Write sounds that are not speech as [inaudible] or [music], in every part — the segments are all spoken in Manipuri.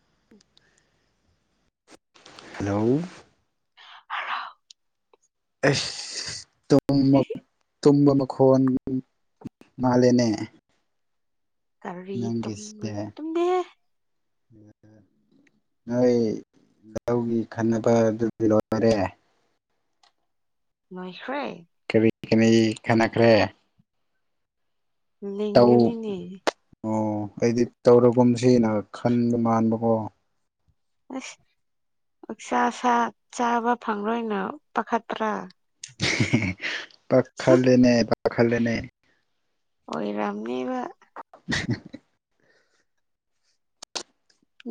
[inaudible] ꯍꯜꯂꯣ ꯑꯩꯁ [unintelligible] ꯇꯨꯝꯕ ꯃꯈꯣꯟ ꯃꯥꯜꯂꯦꯅꯦ ꯀꯔꯤ ꯇꯨꯝꯕ ꯇꯨꯝꯗꯦꯍꯦ ꯅꯠꯂꯦ ꯅꯣꯏ ꯂꯧꯒꯤ ꯈꯟꯅꯕꯗꯨꯗꯤ ꯂꯣꯏꯔꯦ ꯂꯣꯏꯈ꯭ꯔꯦ ꯀꯔꯤ ꯀꯔꯤ ꯈꯟꯅꯈ꯭ꯔꯦ ꯇꯧ ꯂꯤꯡꯒꯅꯤꯅꯦ ꯑꯣ ꯑꯩꯗꯤ ꯇꯧꯔꯒꯨꯝꯁꯤꯅ ꯈꯟꯕ ꯃꯥꯟꯕꯀꯣ ꯑꯩꯁ ꯑꯣꯛꯁꯥ ꯁꯥ ꯆꯥꯕ ꯐꯪꯔꯣꯏꯅ ꯄꯥꯈꯠꯄ꯭ꯔꯥ [unintelligible] ꯄꯥꯛꯈꯠꯂꯦꯅꯦ ꯄꯥꯈꯠꯂꯦꯅꯦ ꯑꯣꯏꯔꯝꯅꯤꯕ [unintelligible]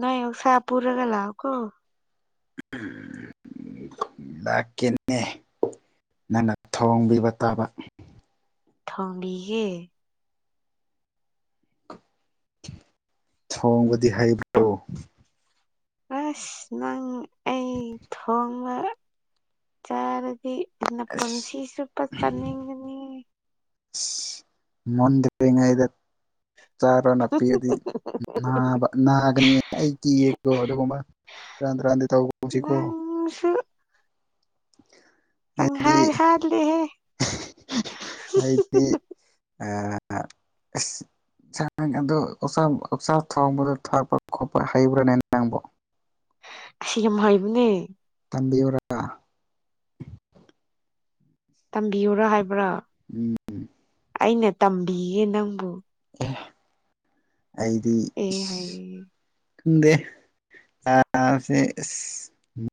ꯅꯣꯏ ꯑꯣꯛꯁꯥ ꯄꯨꯔꯒ ꯂꯥꯛꯎꯀꯣ [inaudible] ꯂꯥꯛꯀꯦꯅꯦ ꯅꯪꯅ ꯊꯣꯡꯕꯤꯕ ꯇꯥꯕ ꯊꯣꯡꯕꯤꯒꯦ ꯊꯣꯡꯕꯗꯤ ꯍꯩꯕ꯭ꯔꯣ ꯑꯁ ꯅꯪ ꯑꯩ ꯊꯣꯡꯕ ꯆꯥꯔꯗꯤ ꯑꯁ ꯅꯥꯄꯨꯟꯁꯤ ꯆꯨꯞꯄ ꯆꯥꯅꯤꯡꯒꯅꯤ ꯁꯤ ꯃꯨꯟꯗꯔꯤꯉꯩꯗ ꯆꯥꯔꯣꯅ ꯄꯤꯔꯗꯤ ꯅꯥꯕ ꯅꯥꯒꯅꯤ ꯑꯩ ꯀꯤꯌꯦ ꯀꯣ ꯑꯗꯨꯒꯨꯝꯕ ꯁꯦꯔꯥꯟ ꯇꯨꯔꯥꯟꯗꯤ ꯇꯧꯒꯨꯝꯁꯤ ꯀꯣ [unintelligible] [unintelligible] ꯆꯪ ꯍꯥꯠ ꯍꯥꯠꯂꯤꯍꯦ ꯑꯩꯗꯤ [unintelligible] ꯑꯥ ꯑꯥ ꯑꯁ ꯁꯥ ꯑꯗꯨ ꯑꯣꯛꯁꯥ ꯑꯣꯛꯁꯥ ꯊꯣꯡꯕꯗꯨ ꯊꯥꯛꯄ ꯈꯣꯠꯄ ꯍꯩꯕ꯭ꯔꯥꯅꯦ ꯅꯪꯕꯣ ꯌꯥꯝ ꯍꯩꯕꯅꯦ ꯇꯝꯕꯤꯌꯨꯔ ꯇꯝꯕꯤꯌꯨꯔ ꯍꯥꯏꯕ꯭ꯔꯥ ꯎꯝ ꯎꯝ ꯑꯩꯅ ꯇꯝꯕꯤꯒꯦ ꯅꯪꯕꯨ ꯑꯦ ꯑꯩꯗꯤ ꯑꯦ ꯏꯁ ꯍꯥꯏꯌꯦ ꯈꯪꯪꯗꯦ ꯆꯥꯕꯁꯦ ꯏꯁ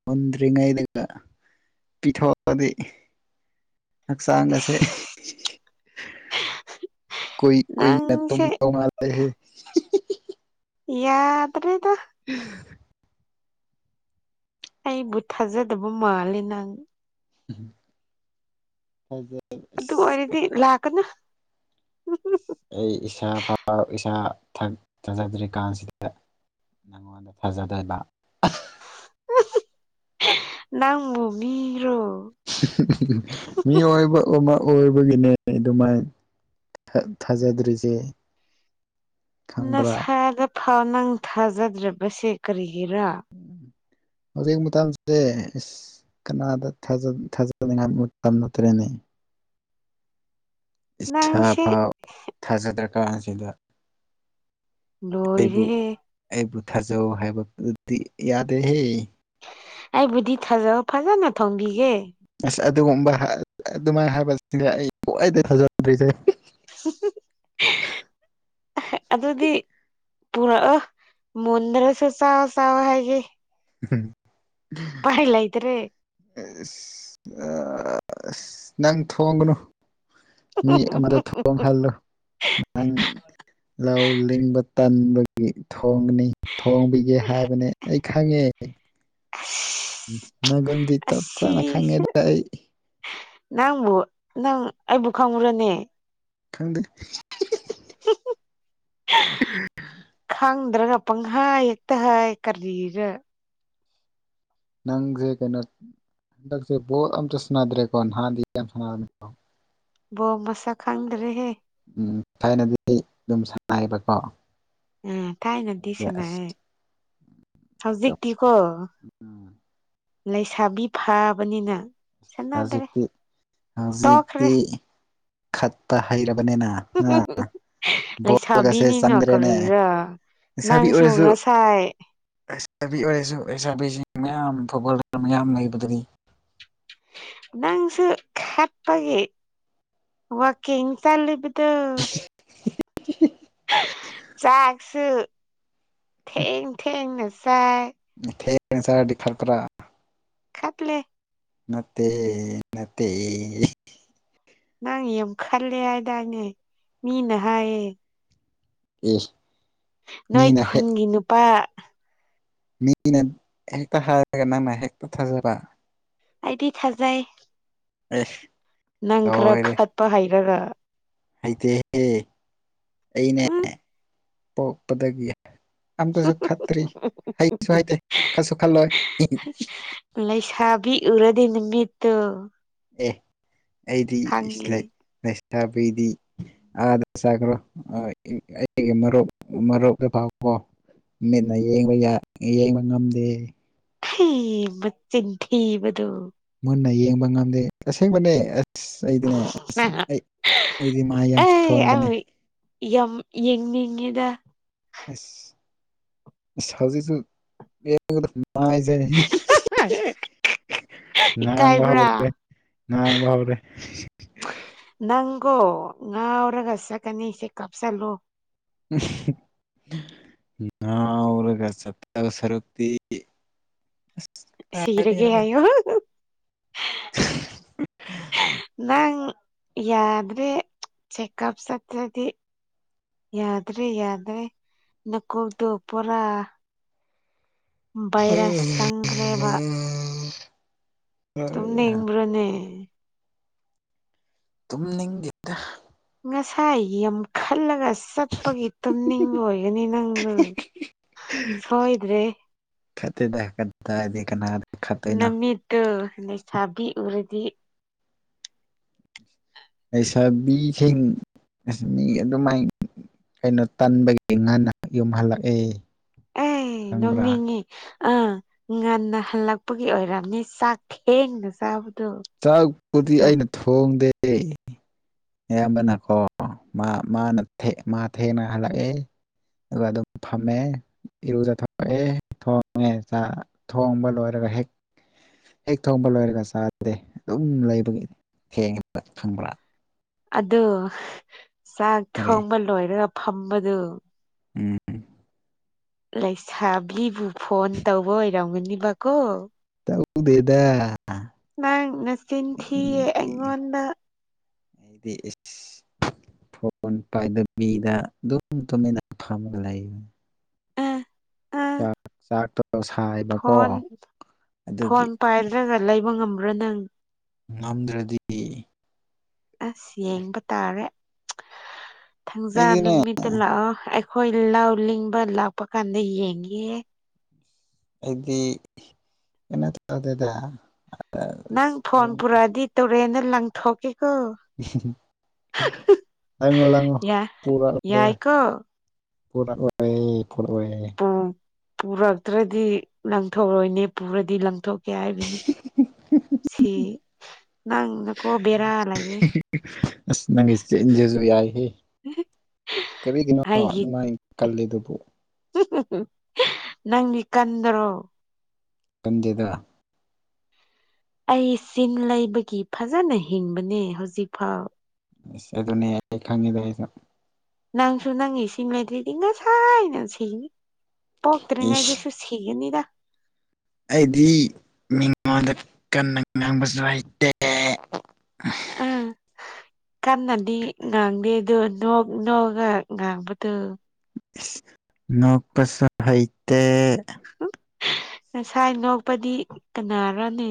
ꯃꯨꯟꯗ꯭ꯔꯤꯉꯩꯗꯒꯥ ꯄꯤꯊꯣꯛꯄꯥꯗꯤ ꯍꯛꯆꯥꯡ ꯒꯥꯁꯦ ꯀꯨꯏ ꯀꯨꯏꯅ ꯅꯪꯁꯦ ꯇꯨꯝꯗꯧ ꯃꯜ ꯂꯦꯍꯦ ꯌꯥꯗ꯭ꯔꯦꯗꯥ [unintelligible] ꯑꯩꯕꯨ ꯊꯥꯖꯗꯕ ꯃꯜꯂꯦ ꯅꯪ ꯎꯝꯍꯝ ꯊꯥꯖꯥ ꯑꯗꯨ ꯑꯣꯏꯔꯗꯤ ꯂꯥꯛꯀꯥꯅꯨ ꯏꯁ ꯑꯩ ꯏꯁꯥ ꯐꯥꯎ ꯏꯁꯥ ꯊꯥ ꯊꯥꯖꯗ꯭ꯔꯤ ꯀꯥꯟꯁꯤꯗꯥ ꯅꯪꯉꯣꯟꯗꯥ ꯊꯥꯖꯗꯣꯏꯕ ꯅꯪꯕꯨ ꯃꯤꯔꯣ ꯃꯤ ꯑꯣꯏꯕ ꯑꯃ ꯑꯣꯏꯕꯒꯤꯅꯦ ꯑꯗꯨꯃꯥꯏꯟ ꯊꯥ ꯊꯥꯖꯗ꯭ꯔꯤꯖꯦ ꯅꯁꯥꯗ ꯐꯥꯎ ꯅꯪ ꯊꯥꯖꯗ꯭ꯔꯤꯕꯁꯦ ꯀꯔꯤꯒꯤꯔꯥ ꯎꯝ ꯎꯝ ꯍꯧꯖꯤꯛ ꯃꯇꯝꯁꯦ ꯏꯁ ꯀꯅꯥꯗ ꯊꯥꯖ ꯊꯥꯖꯅꯤꯡꯉꯥꯏ ꯃꯨꯇꯝ ꯅꯠꯇ꯭ꯔꯦꯅꯦ ꯏꯁꯥ ꯅꯪꯁꯦ ꯐꯥꯎ ꯊꯥꯖꯗ꯭ꯔꯥꯀꯥꯟꯁꯤꯗ ꯂꯣꯏꯔꯦꯍꯦ ꯑꯩꯕꯨ ꯊꯥꯖꯧ ꯍꯥꯏꯕꯗꯨꯗꯤ ꯌꯥꯗꯦꯍꯦ ꯑꯩꯕꯨꯗꯤ ꯊꯥꯖꯧ ꯐꯖꯅ ꯊꯣꯡꯕꯤꯒꯦ ꯑꯁ ꯑꯗꯨꯒꯨꯝꯕ ꯍꯥꯏ ꯑꯗꯨꯃꯥꯏ ꯍꯥꯏꯕꯁꯤꯡꯁꯦ ꯑꯩ ꯈ꯭ꯋꯥꯏꯗꯩ ꯊꯥꯖꯗ꯭ꯔꯤꯁꯦ ꯑꯥꯍꯦ ꯑꯗꯨꯗꯤ ꯄꯨꯔꯛꯑꯣ ꯃꯨꯟꯗ꯭ꯔꯥꯁꯨ ꯆꯥꯎ ꯆꯥꯎ ꯍꯥꯏꯒꯦ [unintelligible] ꯑꯩ ꯂꯩꯇꯔꯦ ꯏꯁ ꯑꯥ ꯑꯁ ꯅꯪ ꯊꯣꯡꯒꯅꯨ ꯃꯤ ꯑꯃꯗ ꯊꯣꯡꯍꯜꯂꯨ ꯅꯪ ꯂꯥꯎ ꯂꯤꯡꯕ ꯇꯟꯕꯒꯤ ꯊꯣꯡꯒꯅꯤ ꯊꯣꯡꯕꯤꯒꯦ ꯍꯥꯏꯕꯅꯦ ꯑꯩ ꯈꯪꯉꯦ ꯑꯁ ꯅꯒꯨꯟꯗꯤ ꯆꯞ ꯇꯥꯅ ꯑꯁꯤꯁꯦ ꯈꯪꯉꯦꯗ ꯑꯩ ꯅꯪꯕꯨ ꯅꯪ ꯑꯩꯕꯨ ꯈꯪꯕ꯭ꯔꯥꯅꯦ ꯈꯪꯗꯦ [unintelligible] ꯈꯥꯡꯗ꯭ꯔꯥꯒ ꯄꯪꯍꯥꯏ ꯍꯦꯛꯇꯥ ꯍꯥꯏ ꯀꯔꯤꯔꯥ ꯅꯪꯖꯦ ꯀꯩꯅꯣ ꯍꯟꯗꯛꯁꯦ ꯕꯣꯠ ꯑꯝꯇꯥ ꯁꯥꯟꯅꯗ꯭ꯔꯦꯀꯣ ꯅꯍꯥꯟꯗꯤ ꯌꯥꯝ ꯁꯥꯟꯔꯝꯃꯤꯀꯣ ꯕꯣꯜ ꯃꯁꯛ ꯈꯪꯗ꯭ꯔꯦꯍꯦ ꯎꯝ ꯊꯥꯏꯅꯗꯤ ꯑꯗꯨꯝ ꯁꯥꯟꯑꯥꯏꯕꯀꯣ ꯎꯝ ꯊꯥꯏꯅꯗꯤ ꯁꯥꯅꯩꯌꯦ ꯑꯁ ꯍꯧꯖꯤꯛꯇꯤꯀꯣ ꯂꯩꯁꯥꯕꯤ ꯐꯥꯕꯅꯤꯅ ꯁꯥꯅꯗ꯭ꯔꯦ ꯍꯧꯖꯤꯛꯇꯤ ꯇꯣꯛꯈ꯭ꯔꯦ ꯈꯠꯇꯥ ꯍꯩꯔꯕꯅꯦꯅ ꯂꯩꯁꯥꯕꯤꯅꯤꯅ ꯆꯪꯗ꯭ꯔꯦꯅꯦ ꯀꯔꯤꯔꯥ ꯂꯩꯁꯥꯕꯤ ꯅꯪꯁꯨ ꯑꯣꯏꯔꯁꯨ ꯉꯁꯥꯏ [unintelligible] ꯅꯪꯁꯨ ꯈꯠꯄꯒꯤ ꯋꯥꯛꯀꯤꯡ ꯆꯠꯂꯤꯕꯗꯨ [unintelligible] ꯆꯥꯛꯁꯨ ꯊꯦꯡ ꯊꯦꯡꯅ ꯆꯥꯏ [unintelligible] ꯈꯠꯂꯦ ꯅꯠꯇꯦ ꯍꯦ ꯅꯠꯇꯦ ꯌꯦ ꯅꯪ ꯌꯥꯝ ꯈꯜꯂꯦ ꯍꯥꯏꯗꯥꯅꯦ ꯃꯤꯅ ꯍꯥꯏꯌꯦ [unintelligible] ꯅꯣꯏ ꯃꯤꯅ ꯍꯦꯛ ꯈꯨꯟꯒꯤ ꯅꯨꯄꯥ ꯃꯤꯅ ꯍꯦꯛꯇ ꯍꯥꯏꯔꯒ ꯅꯪꯅ ꯍꯦꯛꯇ ꯊꯥꯖꯕ ꯑꯩꯗꯤ ꯊꯖꯩ ꯑꯦ ꯅꯪ ꯈꯔ ꯂꯣꯏꯔꯦ ꯈꯠꯄ ꯍꯩꯔꯒ ꯍꯩꯇꯦꯍꯦ ꯑꯩꯅꯦ ꯎꯝ ꯄꯣꯛꯄꯗꯒꯤ ꯑꯃꯝ ꯇꯁꯨ ꯈꯠꯇ꯭ꯔꯤ ꯍꯩꯁꯨ ꯍꯩꯇꯦ ꯈꯠꯁꯨ ꯈꯠꯂꯣꯏ ꯍꯤ ꯍꯤ ꯂꯩꯁꯥꯕꯤ ꯎꯔꯗꯤ ꯅꯨꯃꯤꯠꯇꯨ ꯈꯪꯉꯤ [unintelligible] ꯑꯥꯗ ꯆꯈ꯭ꯔꯣ ꯑꯩꯒꯤ ꯃꯔꯨꯞ ꯃꯔꯨꯞꯇ ꯐꯥꯎꯣ ꯃꯤꯠꯅ ꯌꯦꯡꯕ ꯌꯥ ꯌꯦꯡꯕ ꯉꯝꯗꯦ ꯍꯦ ꯃꯆꯤꯟ ꯊꯤꯕꯗꯨ ꯃꯨꯟꯅ ꯌꯦꯡꯕ ꯉꯝꯗꯦ ꯑꯁꯦꯡꯕꯅꯦ ꯑꯁ ꯑꯩꯗꯤꯅꯦ ꯑꯁ ꯑꯩ ꯑꯩꯗꯤ ꯃꯥ ꯌꯥꯝ ꯑꯩ ꯁꯣꯟꯕꯅꯦ ꯑꯩ ꯌꯥꯝ ꯌꯦꯡꯅꯤꯡꯉꯤꯗ [unintelligible] [unintelligible] ꯉꯪꯕ ꯏꯀꯥꯏꯕ꯭ꯔꯥ ꯍꯧꯔꯦ ꯉꯪꯕ ꯍꯧꯔꯦ ꯅꯪꯒꯣ ꯉꯎ꯭ꯔꯒ ꯆꯠꯀꯅꯤ ꯆꯦ ꯀꯞꯁꯂꯣ [unintelligible] ꯉꯧꯔꯒ ꯆꯠꯇꯣꯏ ꯁꯔꯨꯛꯇꯤ ꯑꯁ ꯁꯤꯔꯒꯦ ꯀꯗꯥꯏꯗꯩꯅꯣꯗ ꯍꯥꯏꯌꯣ [unintelligible] ꯅꯪ ꯌꯥꯗ꯭ꯔꯦ ꯆꯦꯛ ꯀꯞ ꯆꯠꯇ꯭ꯔꯗꯤ ꯌꯥꯗ꯭ꯔꯦ ꯌꯥꯗ꯭ꯔꯦ ꯅꯀꯣꯛꯇꯣ ꯄꯨꯔꯥ ꯚꯥꯏꯔꯁ ꯆꯪꯒ꯭ꯔꯦꯕ ꯇꯨꯝꯅꯤꯡꯕ꯭ꯔꯅꯦ ꯇꯨꯝꯅꯤꯡꯗꯦꯗ ꯉꯁꯥꯏ ꯌꯥꯝ ꯈꯜꯂꯒ ꯆꯠ ꯄꯒꯤ ꯇꯨꯝꯅꯤꯡꯕ ꯑꯣꯏꯒꯅꯤ ꯅꯪꯗꯨ ꯁꯣꯏꯗ꯭ꯔꯦ ꯈꯠꯇꯦꯗ ꯀꯗꯥꯏꯗꯩ ꯀꯅꯥ ꯅꯨꯃꯤꯠꯇꯨ ꯂꯩꯩꯁꯥꯕꯤ ꯎꯔꯗꯤ ꯂꯩꯁꯥꯕꯤꯁꯤꯡ ꯑꯁ ꯃꯤ ꯑꯗꯨꯃꯥꯏꯟ ꯀꯩꯅꯣ ꯇꯟꯕꯒꯤ ꯉꯟꯅ ꯌꯨꯝ ꯍꯜꯂꯛꯑꯦ ꯑꯥꯏ ꯈꯪꯕ꯭ꯔꯥ ꯅꯣꯛꯅꯤꯡꯉꯤ ꯑꯥ ꯉꯟꯅ ꯍꯜꯂꯛꯄꯒꯤ ꯑꯣꯏꯔꯝꯅꯤ ꯆꯥꯛ ꯊꯦꯡꯅ ꯆꯥꯕꯗꯣ ꯆꯥꯛꯄꯨꯗꯤ ꯁꯨꯝ ꯑꯩꯅ ꯊꯣꯡꯗꯦ ꯑꯌꯥꯝꯕꯅꯀꯣ ꯃꯥ ꯃꯥꯅ ꯊ‌ꯦ ꯃꯥ ꯊꯦꯡꯅ ꯍꯜꯂꯛꯑꯦ ꯑꯗꯨꯒ ꯑꯗꯨꯝ ꯐꯝꯃꯦ ꯏꯔꯨꯖꯊꯣꯛꯑꯦ ꯊꯣꯡꯉꯦ ꯆꯥ ꯊꯣꯡꯕ ꯂꯣꯏꯔꯒ ꯍꯦꯛ ꯍꯦꯛ ꯊꯣꯡꯕ ꯂꯣꯏꯔꯒ ꯆꯥꯗꯦ ꯑꯗꯨꯝ ꯂꯩꯕꯒꯤ ꯊꯦꯡꯉꯦꯕ ꯈꯪꯕ꯭ꯔꯥ ꯑꯗꯨ ꯆꯥꯛ ꯀꯔꯤ ꯊꯣꯡꯕ ꯂꯣꯏꯔꯒ ꯐꯝꯕꯗꯨ ꯎꯝ ꯂꯩꯁꯥꯕꯤꯕꯨ ꯐꯣꯟ ꯇꯧꯕ ꯑꯣꯏꯔꯝꯒꯅꯤꯕꯀꯣ ꯇꯧꯗꯦꯗ ꯅꯪ ꯅꯆꯤꯟ ꯊꯤꯌꯦ ꯑꯩꯉꯣꯟꯗ ꯗꯦ ꯏꯁ ꯐꯣꯟ ꯄꯥꯏꯗꯕꯤꯗ ꯑꯗꯨꯝ ꯇꯨꯃꯤꯟꯅ ꯐꯝꯃꯒ ꯂꯩ ꯑ ꯑ ꯆꯥꯛ ꯆꯥꯛꯇꯣ ꯁꯥꯏꯕꯀꯣ ꯐꯣꯟ ꯑꯗꯨꯒꯤ ꯐꯣꯟ ꯄꯥꯏꯗ꯭ꯔꯒ ꯂꯩꯕ ꯉꯝꯕ꯭ꯔꯥ ꯅꯪ ꯉꯝꯗ꯭ꯔꯗꯤ ꯑꯁ ꯌꯦꯡꯕ ꯇꯥꯔꯦ ꯊꯪꯖꯥ ꯑꯩꯗꯤꯅꯦ ꯅꯨꯃꯤꯠꯇ ꯂꯥꯛꯑꯣ ꯑꯩꯈꯣꯏ ꯂꯧ ꯂꯤꯡꯕ ꯂꯥꯛꯄ ꯀꯥꯟꯗ ꯌꯦꯡꯒꯦ ꯑꯩꯗꯤ ꯀꯩꯅꯣ ꯇꯧꯗꯦꯗ ꯅꯪ ꯐꯣꯟ ꯄꯨꯔꯛꯑꯗꯤ ꯇꯨꯔꯦꯟꯗ ꯂꯪꯊꯣꯛꯀꯦꯀꯣ ꯂꯪꯉꯣ ꯂꯪꯉꯣ ꯌꯥ ꯄꯨꯔ ꯑꯔꯣꯏ ꯌꯥꯏꯀꯣ ꯄꯨꯔꯛꯑꯣꯏꯌꯦ ꯐꯨꯔꯣꯏꯌꯦ ꯑ ꯄꯨꯔꯛꯇ꯭ꯔꯗꯤ ꯂꯪꯊꯣꯛꯔꯣꯏꯅꯦ ꯄꯨꯔꯗꯤ ꯂꯪꯊꯣꯛꯀꯦ ꯍꯥꯏꯕꯅꯤ ꯁꯦ ꯅꯪ ꯅꯀꯣꯛ ꯕꯦꯔꯥ ꯂꯩꯔꯦ ꯆꯦꯟꯖꯦꯁꯨ ꯌꯥꯏꯍꯦ ꯀꯔꯤꯒꯤꯅꯣ ꯑꯩꯒꯤ ꯑꯗꯨꯃꯥꯏ ꯀꯜꯂꯤꯗꯨꯕꯨ ꯅꯪꯗꯤ ꯀꯟꯗ꯭ꯔꯣ ꯀꯟꯗꯦꯗ ꯑꯩ ꯁꯤꯡ ꯂꯩꯕꯒꯤ ꯐꯖꯅ ꯍꯤꯡꯕꯅꯦ ꯍꯧꯖꯤꯛ ꯐꯥꯎ ꯏꯁ ꯑꯗꯨꯅꯦ ꯑꯩ ꯈꯪꯉꯤꯗ ꯑꯩꯁꯨ ꯅꯪꯁꯨ ꯅꯪꯒꯤ ꯁꯤꯡ ꯂꯩꯗ꯭ꯔꯤꯗꯤ ꯉꯁꯥꯏꯅ ꯁꯤꯅꯤ ꯏꯁ ꯄꯣꯛꯇ꯭ꯔꯤꯉꯩꯗꯤꯁꯨ ꯁꯤ- ꯁꯤꯒꯅꯤꯗ ꯑꯩꯗꯤ ꯃꯤꯉꯣꯟꯗ ꯀꯟꯅ ꯉꯥꯡꯕꯁꯨ ꯍꯩꯇꯦ ꯑꯥ ꯀꯟꯅꯗꯤ ꯉꯥꯡꯗꯦ ꯑꯗꯨ ꯅ‌ꯣꯛ ꯅ‌ꯣꯛꯑꯒ ꯉꯥꯡꯕꯗꯣ ꯏꯁ ꯅꯣꯛꯄꯁꯨ ꯍꯩꯇꯦ ꯉꯁꯥꯏ ꯅꯣꯛꯄꯗꯤ ꯀꯅꯥꯔꯥꯅꯦ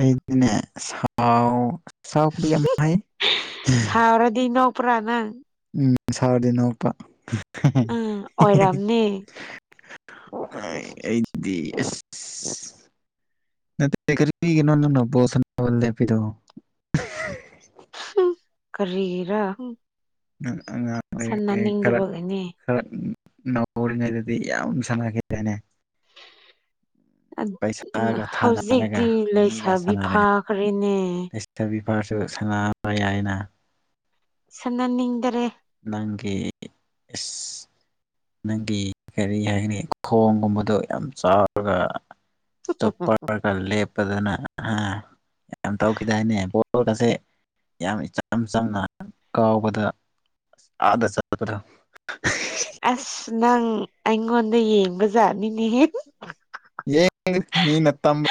ꯑꯩꯗꯤꯅꯦ ꯁꯥꯥꯎ ꯁꯥꯎꯕꯗꯤ ꯌꯥꯝ ꯍꯩ ꯌꯥꯔꯗꯤꯅ‌ꯣꯛ ꯄ‍꯭ꯔꯥ ꯅꯪ ꯎꯝ ꯁꯥꯔꯗꯤ ꯅ‌ꯣꯛꯄ ꯑ ꯑꯣꯏꯔꯝꯅꯤ ꯑꯩꯗꯤ ꯑꯦꯁ ꯅ ꯀꯩꯔꯤꯒꯤꯅꯣ ꯅꯪꯅ ꯕꯣꯜ ꯁꯥꯟꯅꯕ ꯂ‌ꯦꯞꯄꯤꯗ‌ꯣ ꯀꯔꯤꯒꯤꯔꯥ [unintelligible] ꯈꯔ ꯅꯧꯔꯤꯉꯩꯗꯗꯤ ꯌꯥꯝ ꯁꯥꯟꯅꯈꯤꯗꯥꯏꯅꯦ ꯄꯩꯁꯥꯒ ꯊꯥꯅꯔꯒ ꯍꯧꯖꯤꯛꯇꯤ ꯃꯤꯒ ꯂꯩꯁꯥꯕꯤ ꯁꯥꯟꯅꯔꯒ ꯐꯥꯈ꯭ꯔꯦꯅꯦ ꯆꯕꯤ ꯄꯥꯔꯁꯨ ꯁꯥꯟꯅꯕ ꯌꯥꯏꯅ ꯁꯟꯅꯅꯤꯗ꯭ꯔꯦ ꯅꯪꯒꯤ ꯏꯁ ꯅꯪꯒꯤ ꯀꯔꯤ ꯍꯥꯏꯒꯅꯤ ꯈꯣꯡꯒꯨꯝꯕꯗꯣ ꯌꯥꯝ ꯆꯥꯎꯔꯒ ꯏꯁꯇꯣꯞꯄꯔꯒ ꯂꯦꯞꯄꯗꯅ ꯑ ꯌꯥꯝ ꯇꯧꯈꯤꯗꯥꯏꯅꯦ ꯕꯒꯁꯦ ꯌꯥꯝ ꯏꯆꯝ ꯆꯝꯅ ꯀꯥꯎꯕꯗ ꯑꯗ ꯆꯠꯄꯗ ꯑꯁ ꯅꯪ ꯑꯩꯉꯣꯟꯗ ꯌꯦꯡꯕ ꯖꯥꯠꯅꯤꯅꯦꯍꯦ ꯃꯤꯅ ꯇꯝꯕ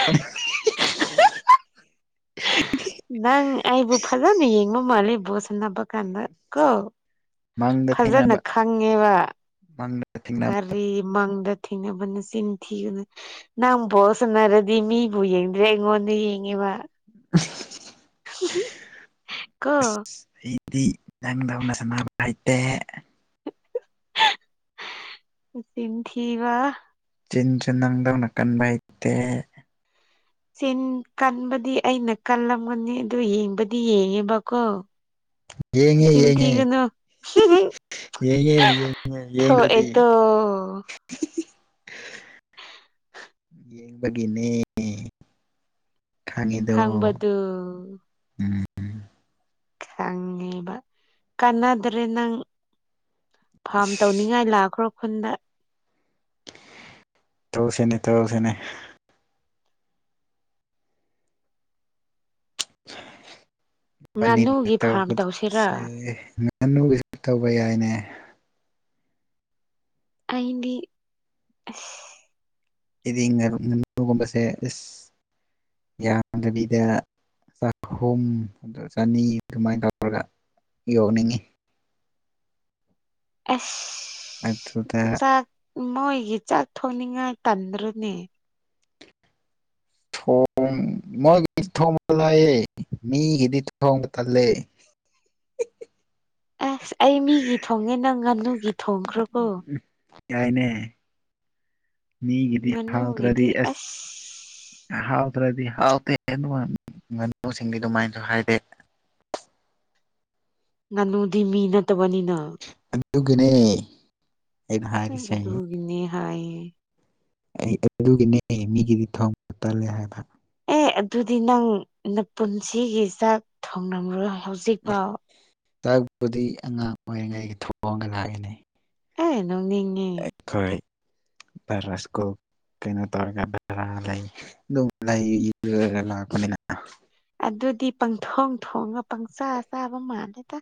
ꯅꯪ ꯑꯩꯕꯨ ꯐꯖꯅ ꯌꯦꯡꯕ ꯃꯥꯜꯂꯦ ꯕꯣꯜ ꯁꯥꯟꯅꯕ ꯀꯅꯗ ꯀꯣ ꯃꯪꯗ ꯐꯖꯅ ꯊꯦꯡꯅꯕ ꯈꯪꯉꯦꯕ ꯃꯪꯗ ꯊꯦꯡꯅꯕ ꯀꯔꯤ ꯃꯥꯡꯗ ꯊꯦꯡꯅꯕꯅ ꯆꯤꯟ ꯊꯤꯒꯅꯨ ꯅꯪ ꯕꯣꯜ ꯁꯟꯅꯔꯗꯤ ꯃꯤꯕꯨ ꯌꯦꯡꯗ꯭ꯔꯦ ꯑꯩꯉꯣꯟꯗ ꯌꯦꯡꯉꯤꯕ [unintelligible] ꯀꯣ ꯑꯩꯗꯤ ꯅꯪꯗꯧꯅ ꯁꯥꯟꯅꯕ ꯍꯩꯇꯦ ꯅꯆꯤꯜ ꯊꯤꯕ ꯆꯤꯟꯁꯨ ꯅꯪꯗꯧꯅ ꯀꯟꯕ ꯍꯩꯇꯦ ꯆꯤꯟ ꯀꯟꯕꯗꯤ ꯑꯩꯅ ꯀꯜꯂꯝꯒꯅꯤ ꯑꯗꯨ ꯌꯦꯡꯕꯗꯤ ꯌꯦꯡꯉꯦꯕꯀꯣ ꯌꯦꯡꯉꯦ ꯆꯤꯟ ꯌꯦꯡꯉꯦ ꯊꯤꯒꯅꯣ ꯌꯦꯡꯉꯦ ꯌꯦꯡꯉꯦ [unintelligible] ꯌꯦꯡꯗꯗꯤ ꯊꯣꯑꯦꯇꯣ ꯌꯦꯡꯕꯒꯤꯅꯦ ꯈꯪꯉꯤꯗꯣ ꯈꯪꯕꯗꯨ ꯎꯝ ꯈꯪꯉꯦꯕ ꯀꯥꯟꯅꯗ꯭ꯔꯦ ꯅꯪ ꯐꯥꯝ ꯇꯧꯅꯤꯡ ꯏꯁ ꯅꯤꯡꯉꯥꯏ ꯂꯥꯛꯈ꯭ꯔꯣ ꯈꯨꯟꯗ ꯇꯧꯁꯤꯅꯦ ꯇꯧꯁꯤꯅꯦ ꯅꯤ ꯉꯥꯅꯨꯒꯤ ꯐꯥꯔꯝ ꯇꯧꯁꯤꯔꯥ ꯇꯗꯁꯦ ꯉꯥꯅꯨꯒꯤꯁꯨ ꯇꯧꯕ ꯌꯥꯏꯅꯦ ꯑꯗꯤ ꯑꯁ ꯗꯤ ꯉꯥꯅꯨꯒꯨꯝꯕꯁꯦ ꯑꯁ ꯌꯥꯝꯗꯕꯤꯗ ꯆꯍꯨꯝ ꯑ ꯆꯅꯤ ꯑꯗꯨꯃꯥꯏꯅ ꯇꯧꯔꯒ ꯌꯣꯛꯅꯤꯡꯉꯤ ꯑꯁ ꯑꯗꯨꯗ ꯆꯥꯛ ꯃꯣꯏꯒꯤ ꯆꯥꯛ ꯊꯣꯡꯅꯤꯡꯉꯥꯏ ꯇꯟꯗ꯭ꯔꯅꯦ ꯊꯣꯡ ꯃꯣꯏ ꯊꯣꯡꯕꯂꯥꯏꯌꯦ ꯃꯤꯒꯤꯗꯤ ꯊꯣꯡꯕ ꯇꯜꯂꯦ ꯑꯁ ꯑꯩ ꯃꯤꯒꯤ ꯊꯣꯡꯉꯦ ꯅꯪ ꯉꯥꯅꯨꯒꯤ ꯊꯣꯡꯈ꯭ꯔꯣꯀꯣ ꯌꯥꯏꯅꯦ ꯃꯤꯒꯤꯗꯤ ꯍꯥꯎꯗꯇ꯭ꯔꯗꯤ ꯉꯥꯅꯨꯒꯤꯗꯤ ꯑꯁ ꯑꯦꯁ ꯍꯥꯎꯗ꯭ꯔꯗꯤ ꯍꯥꯎꯇꯦ ꯉꯅꯨꯁꯤꯡꯗꯤ ꯑꯗꯨꯃꯥꯏꯅꯁꯨ ꯍꯥꯏꯗꯦ ꯉꯥꯅꯨꯗꯤ ꯃꯤ ꯅꯠꯇꯕꯅꯤꯅ ꯑꯗꯨꯒꯤꯅꯦ ꯑꯩꯅ ꯍꯥꯏꯔꯤꯁꯦ ꯑꯩ ꯗꯨꯒꯤꯅꯦ ꯍꯥꯏꯌꯦ ꯑꯩ ꯑꯗꯨꯒꯤꯅꯦ ꯃꯤꯒꯤꯗꯤ ꯊꯣꯡ ꯇꯜꯂꯦ ꯍꯥꯏꯕ ꯑꯦ ꯑꯗꯨꯗꯤ ꯅꯪ ꯅꯄꯨꯟꯁꯤꯒꯤ ꯆꯥꯛ ꯊꯣꯡꯂꯝꯔꯣꯏ ꯍꯧꯖꯤꯛ ꯐꯥꯎ ꯆꯥꯛꯛꯄꯨꯗꯤ ꯑꯉꯥꯡ ꯑꯣꯏꯔꯤꯉꯩꯒꯤ ꯊꯣꯛꯣꯡꯑꯒ ꯂꯥꯛꯏꯅꯤ ꯑꯦ ꯅꯣꯛꯅꯤꯡꯉꯦ ꯈꯣꯏ ꯄ ꯔꯥꯁꯀꯣ ꯀꯩꯅꯣ ꯇꯧꯔꯒꯗꯔ ꯂꯩ ꯂꯩ ꯏꯂ ꯂꯥꯛꯄꯅꯤꯅ ꯑꯗꯨꯗꯤ ꯄꯪꯊꯣꯡ ꯊꯣꯡꯉ ꯄꯪꯆꯥ ꯆꯥꯕ ꯃꯥꯜꯂꯦꯗ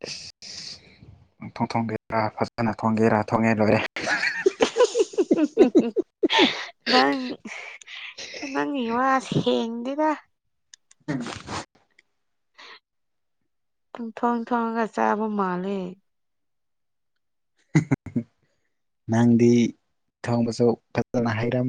[unintelligible] ꯊꯣꯡ ꯊꯣꯡꯒꯦꯔꯥ ꯐꯖꯅ ꯊꯣꯡꯒꯦꯔꯥ ꯊꯣꯡꯉꯦ ꯂꯣꯏꯔꯦ ꯅꯪ ꯅꯪꯒꯤ ꯋꯥ ꯁꯦꯡꯗꯦꯗ [inaudible] ꯄꯨꯡ ꯊꯣꯡ ꯊꯣꯡꯉꯒ ꯆꯥꯕ ꯃꯥꯜꯂꯦ ꯅꯪꯗꯤ ꯊꯣꯡꯕꯁꯨ [unintelligible] ꯍꯩꯔꯝ